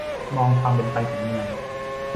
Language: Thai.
มองความเป็นไปของเมือง